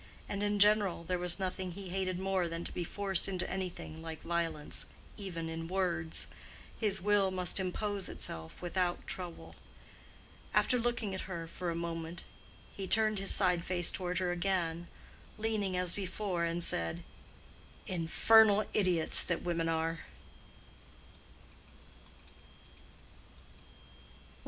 And in general, there was nothing he hated more than to be forced into anything like violence even in words: his will must impose itself without trouble. After looking at her for a moment, he turned his side face toward her again, leaning as before, and said, "Infernal idiots that women are!"